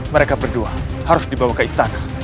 mereka berdua harus dibawa ke istana